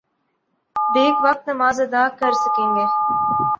back وقت نماز ادا کر سکیں گے